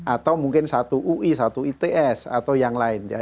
atau mungkin satu ui satu its atau yang lain ya